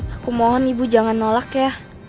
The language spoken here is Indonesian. aku mohon ibu jangan nolak ya